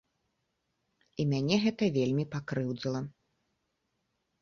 І мяне гэта вельмі пакрыўдзіла.